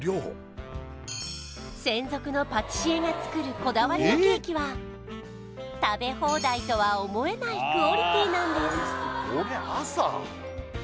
専属のパティシエが作るこだわりのケーキは食べ放題とは思えないクオリティーなんです